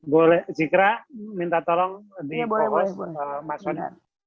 boleh cikra minta tolong di post mas heri